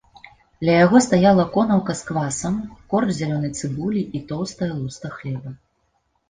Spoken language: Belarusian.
Ля яго стаяла конаўка з квасам, корч зялёнай цыбулі і тоўстая луста хлеба.